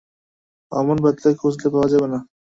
অমন পাত্র খুঁজলে পাওয়া যাবে না।